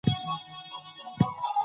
زه هڅه کوم، چي پر وخت د کور کارونه وکم.